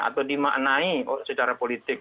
atau dimaknai secara politik